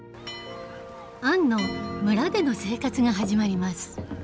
アンの村での生活が始まります。